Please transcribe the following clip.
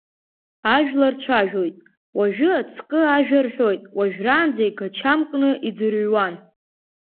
Ажәлар цәажәоит, уажәы ацкы ажәа рҳәоит, уажәраанӡа игачамкны иӡырҩуан.